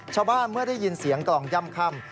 ชาวบ้านเมื่อได้ยินเสียงกรองย่ำค่ำ